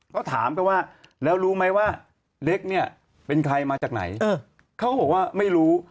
เขาถามไปว่าแล้วรู้ไหมว่าเล็กเนี่ยเป็นใครมาจากไหนเขาก็บอกว่าไม่รู้